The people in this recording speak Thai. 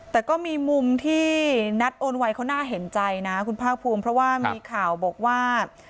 แต่ก็มีมุมที่นัดโอนไวเขาน่าเห็นใจนะคุณภาคภูมิเพราะว่ามีข่าวบอกว่า